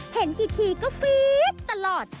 เห็นกี่ทีก็ฟีดตลอด